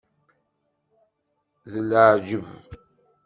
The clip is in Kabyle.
D leɛǧeb!